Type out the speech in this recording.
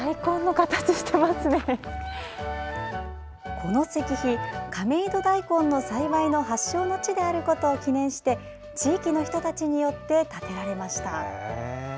この石碑、亀戸だいこんの栽培の発祥の地であることを記念して地域の人たちによって建てられました。